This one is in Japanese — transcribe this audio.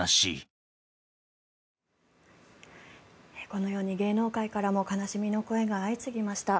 このように芸能界からも悲しみの声が相次ぎました。